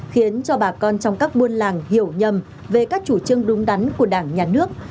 khiến cho bà con trong các buôn làng hiểu nhầm về các chủ trương đúng đắn của đảng nhà nước